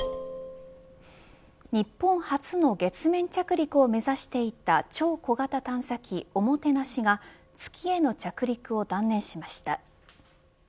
日本初の月面着陸を目指していた超小型探査機ＯＭＯＴＥＮＡＳＨＩが月への着陸を断念しました。